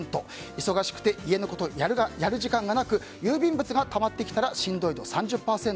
忙しくて家のことをやる時間がなく郵便物がたまってきたらしんどい度３０％。